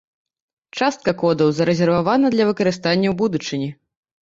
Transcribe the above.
Частка кодаў зарэзервавана для выкарыстання ў будучыні.